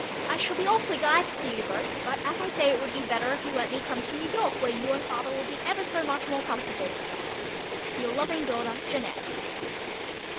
I shall be awfully glad to see you both but as I say it would be better if you let me come to New York where you and father will be ever so much more comfortable. Your loving daughter, JEANNETTE.